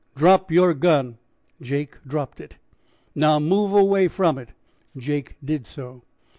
"Drop yer gun." Jake dropped it. "Now move away from it." Jake did so.